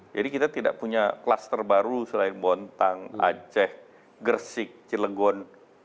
jadi kita tidak punya kelas terbaru selain bontang aceh gersik cilegon